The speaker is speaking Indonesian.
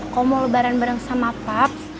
kau mau lebaran bareng sama paps